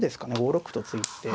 ５六歩と突いて。